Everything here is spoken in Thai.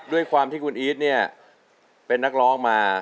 ด้วยความที่คุณอีทเนี่ยเป็นนักร้องมา